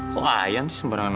kok ayan sih sembarangan